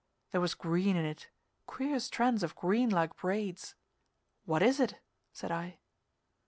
There was green in it, queer strands of green like braids. "What is it?" said I.